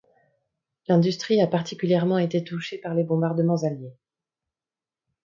L'industrie a particulièrement été touchée par les bombardements alliés.